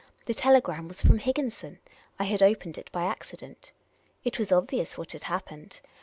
The telegram was from Higginson ! I had opened it by accident. It was obvious what had happened.